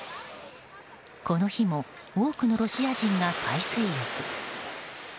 この日も多くのロシア人が海水浴。